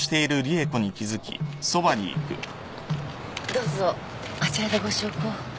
どうぞあちらでご焼香を。